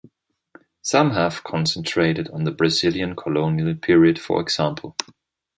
Some have concentrated on the Brazilian colonial period, for example.